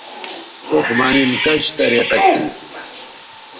اوخ مہ نِن کش طریقہ تھی